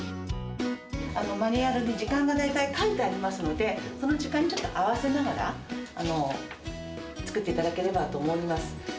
マニュアルに時間が大体書いてありますので、その時間にちょっと合わせながら、作っていただければと思います。